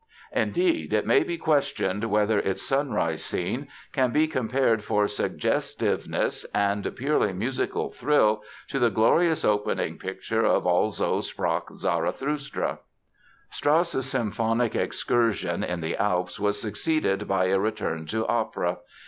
Indeed, it may be questioned whether its sunrise scene can be compared for suggestiveness and purely musical thrill to the glorious opening picture of Also Sprach Zarathustra. Strauss's symphonic excursion in the Alps was succeeded by a return to opera.